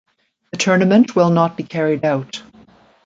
The tournament will not be carried out.